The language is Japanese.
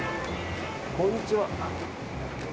こんにちは。